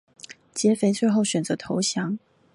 劫匪最后选择投降。